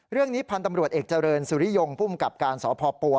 เรื่องนี้พันธ์ตำรวจเอกเจริญสุริยงภูมิกับการสพปัว